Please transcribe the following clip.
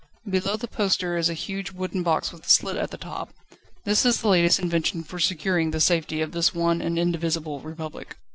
Below the poster is a huge wooden box with a slit at the top. This is the latest invention for securing the safety of this one and indivisible Republic.